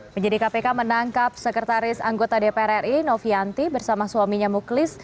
penyidik kpk menangkap sekretaris anggota dpr ri novianti bersama suaminya muklis